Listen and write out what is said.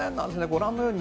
ご覧のよう